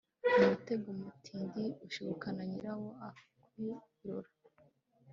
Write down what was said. umutego mutindi ushibuka nyirawo akiwurora